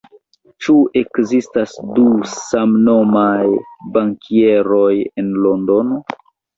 Ĉu ekzistas du samnomaj bankieroj en Londono?